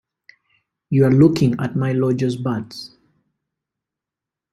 You're looking at my lodger's birds.